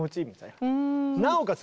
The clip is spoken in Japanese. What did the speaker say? なおかつ